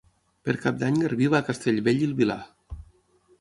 Per Cap d'Any en Garbí va a Castellbell i el Vilar.